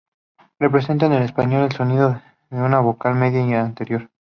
Representa en español el sonido de una vocal media y anterior.